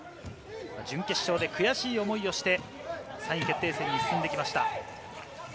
準決勝で悔しい思いをして３位決定戦に進んできました。